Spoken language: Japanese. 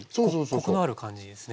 コクのある感じですね。